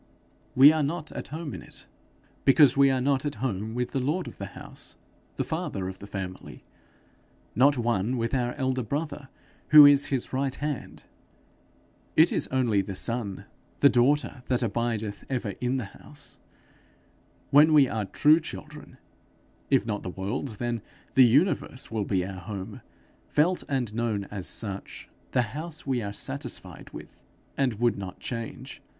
We are not at home in it, because we are not at home with the lord of the house, the father of the family, not one with our elder brother who is his right hand. It is only the son, the daughter, that abideth ever in the house. When we are true children, if not the world, then the universe will be our home, felt and known as such, the house we are satisfied with, and would not change.